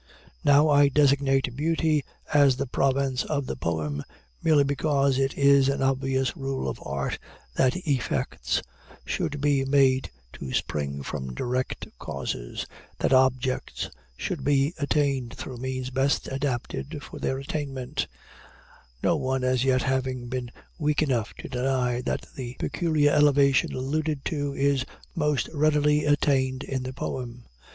Now I designate Beauty as the province of the poem, merely because it is an obvious rule of Art that effects should be made to spring from direct causes that objects should be attained through means best adapted for their attainment no one as yet having been weak enough to deny that the peculiar elevation alluded to is most readily attained in the poem.